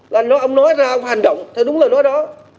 là ông nói ra ông phải hành động theo đúng lời nói đó